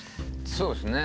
そうですね。